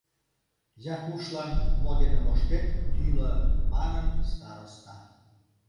Якушлан мо дене моштет, тӱлӧ, — манын староста.